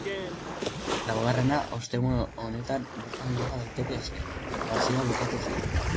Laugarrena ostegun honetan bertan gera daiteke aske, deklarazioa bukatu ostean.